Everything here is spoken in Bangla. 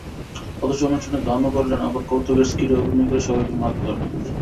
অথচ অনুষ্ঠানে গানও করলেন, আবার কৌতুকের স্কিডে অভিনয় করে সবাইকে মাত করলেন।